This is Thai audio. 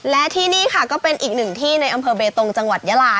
และที่นี่ค่ะก็เป็นอีกหนึ่งที่ในอำเภอเบตงจังหวัดยาลา